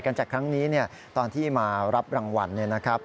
กันจากครั้งนี้ตอนที่มารับรางวัลนะครับ